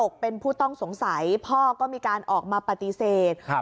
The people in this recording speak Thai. เป็นผู้ต้องสงสัยพ่อก็มีการออกมาปฏิเสธครับ